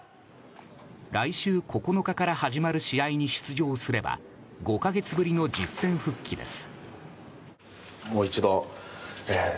来週９日から始まる試合に出場すれば５か月ぶりの実戦復帰です。